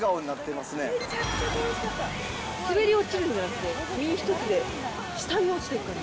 滑り落ちるんじゃなくて、身一つで下に落ちてく感じ。